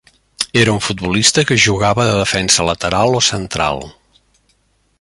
Era un futbolista que jugava de defensa lateral o central.